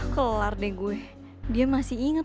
kelar deh gue dia masih ingat